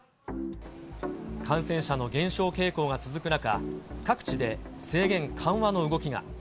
感染者の減少傾向が続く中、各地で制限緩和の動きが。